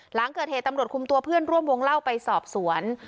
หลังเกิดเหตุตำรวจคุมตัวเพื่อนร่วมวงเล่าไปสอบสวน